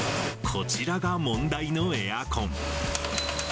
こちらが問題のエアコン。